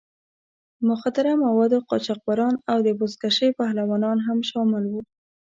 د مخدره موادو قاچاقبران او د بزکشۍ پهلوانان هم شامل وو.